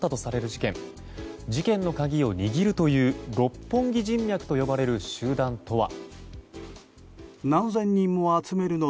事件の鍵を握るという六本木人脈といわれる集団とは。